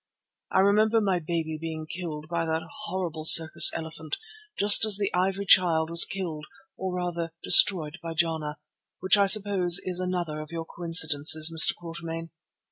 I remember my baby being killed by that horrible circus elephant, just as the Ivory Child was killed or rather destroyed by Jana, which I suppose is another of your coincidences, Mr. Quatermain.